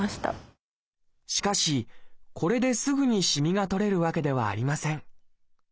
しかしこれですぐにしみが取れるわけではありません。